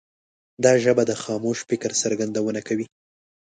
دا ژبه د خاموش فکر څرګندونه کوي.